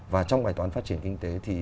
và trong bài toán phát triển kinh tế thì